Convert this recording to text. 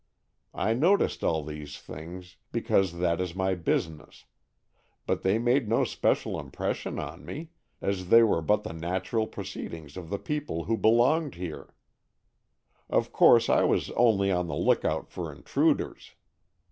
I noticed all these things because that is my business, but they made no special impression on me, as they were but the natural proceedings of the people who belonged here. Of course I was only on the lookout for intruders.